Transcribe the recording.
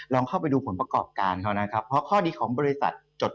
ลองเข้าไปดูผลประกอบการเขานะครับ